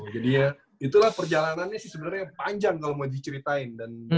jadi ya itulah perjalanannya sih sebenarnya panjang kalau mau diceritain